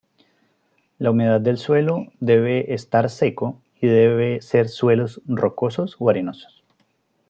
La humedad del suelo debe estar seco y debe ser suelos rocosos o arenosos.